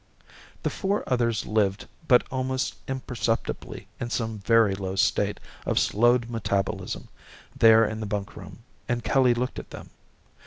The four others lived but almost imperceptibly in some very low state of slowed metabolism there in the bunkroom and Kelly looked at them.